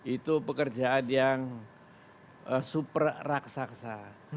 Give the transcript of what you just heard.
itu pekerjaan yang super raksasa